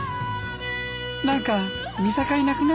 何か見境なくなってきた。